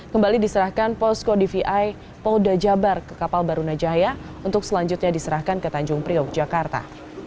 kembali diserahkan posko dvi polda jabar ke kapal barunajaya untuk selanjutnya diserahkan ke tanjung priok jakarta